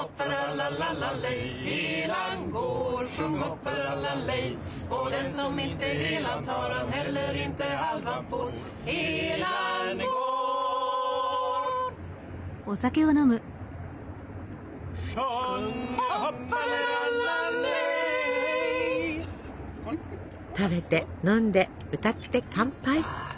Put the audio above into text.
食べて飲んで歌って乾杯。